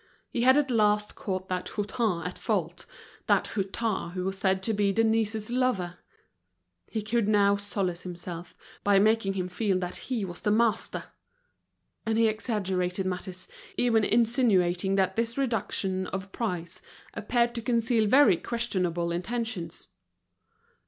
He had at last caught that Hutin at fault, that Hutin who was said to be Denise's lover! He could now solace himself, by making him feel that he was the master! And he exaggerated matters, even insinuating that this reduction of price appeared to conceal very questionable intentions.